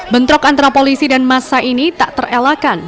bentrok antara polisi dan massa ini tak terelakan